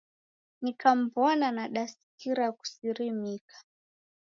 Nikamw'ona nadasikira kusirimika..